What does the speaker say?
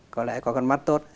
có lẽ có con mắt tốt